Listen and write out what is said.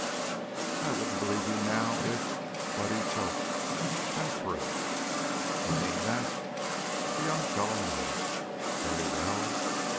"I wouldn't believe you now, if " Buddy choked. "I'm through!" "You mean that?" The young fellow nodded. "Very well!"